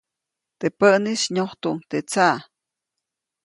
Teʼ päʼnis nyojtuʼuŋ teʼ tsaʼ.